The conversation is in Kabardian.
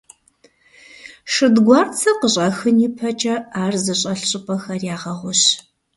Шэдгуарцэ къыщӀахын ипэкӀэ ар зыщӀэлъ щӀыпӀэхэр ягъэгъущ.